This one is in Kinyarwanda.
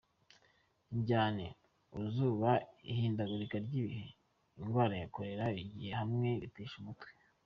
"Indyane, uruzuba, ihindagurika ry'ibihe, ingwara na kolera bigiye hamwe, bitesha umutwe.